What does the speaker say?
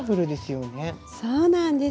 そうなんです。